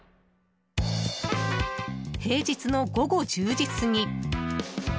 平日の午後１０時過ぎ。